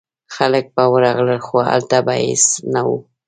خلک به ورغلل خو هلته به هیڅ نه و.